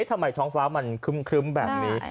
ท้องฟ้ามันครึ้มแบบนี้